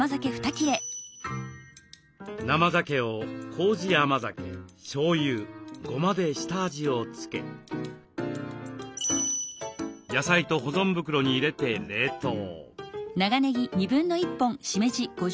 生ざけをこうじ甘酒しょうゆごまで下味をつけ野菜と保存袋に入れて冷凍。